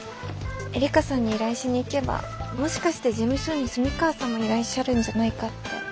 えりかさんに依頼しに行けばもしかして事務所に澄川さんもいらっしゃるんじゃないかって。